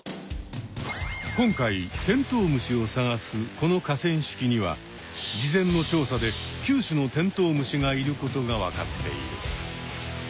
この河川敷には事前の調査で９種のテントウムシがいることが分かっている。